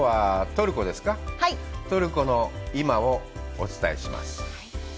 トルコの今をお伝えします。